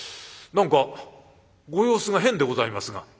何かご様子が変でございますが」。